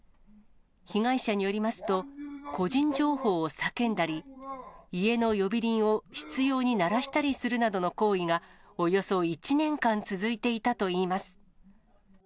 被害者によりますと、個人情報を叫んだり、家の呼び鈴を執ように鳴らしたりするなどの行為が、およそ１年間続いていたといいます。